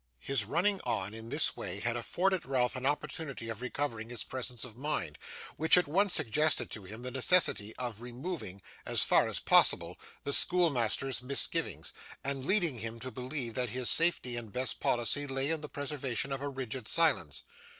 His running on, in this way, had afforded Ralph an opportunity of recovering his presence of mind, which at once suggested to him the necessity of removing, as far as possible, the schoolmaster's misgivings, and leading him to believe that his safety and best policy lay in the preservation of a rigid silence.